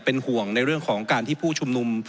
เป็นห่วงในเรื่องของการที่ผู้ชุมนุม